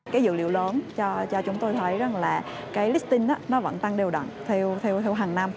cái dữ liệu lớn cho chúng tôi thấy rằng là cái listing nó vẫn tăng đều đặn theo hiểu hàng năm